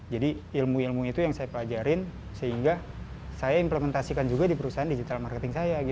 jadi ilmu ilmu itu yang saya pelajari sehingga saya implementasikan juga di perusahaan digital marketing saya